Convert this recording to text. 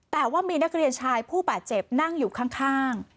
แต่ว่ามีนักเรียนชายผู้บาดเจ็บนั่งอยู่ข้าง